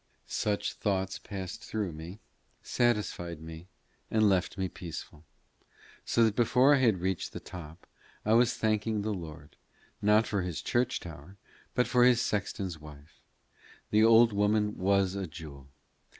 Such thoughts passed through me, satisfied me, and left me peaceful, so that before I had reached the top, I was thanking the Lord not for his church tower, but for his sexton's wife. The old woman was a jewel.